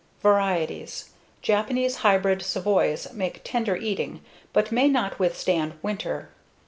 Varieties: Japanese hybrid savoys make tender eating but may not withstand winter.